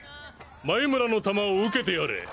眉村の球を受けてやれ。